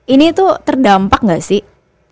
ini itu terdampak gak sih